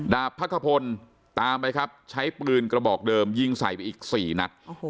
ดาบพักขพลตามไปใช้ปืนกระบอกเดิมยิงใส่ไปอีกสี่นัด